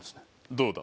どうだ？